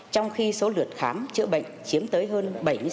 trong khi số lượt khám chữa bệnh chiếm tới hơn bảy mươi sáu